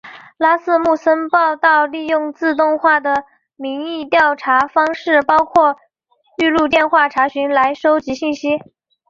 拉斯穆森报导利用自动化的民意调查方式包括预录电话查询来收集信息。